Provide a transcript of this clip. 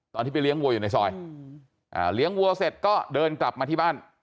ตอนที่ไปเลี้ยวัวอยู่ในซอยเลี้ยงวัวเสร็จก็เดินกลับมาที่บ้าน